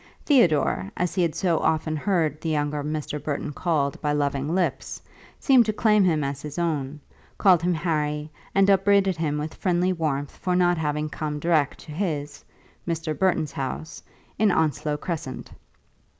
"Theodore," as he had so often heard the younger Mr. Burton called by loving lips, seemed to claim him as his own, called him Harry, and upbraided him with friendly warmth for not having come direct to his, Mr. Burton's, house in Onslow Crescent.